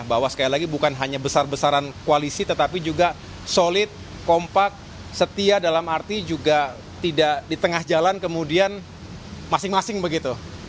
bahwa sekali lagi bukan hanya besar besaran koalisi tetapi juga solid kompak setia dalam arti juga tidak di tengah jalan kemudian masing masing begitu